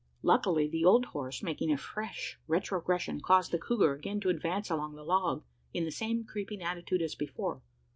Luckily, the old horse, making a fresh retrogression, caused the couguar again to advance along the log, in the same creeping attitude as before.